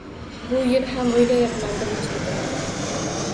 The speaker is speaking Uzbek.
Bu yil ham o‘ylayapman birinchilikni …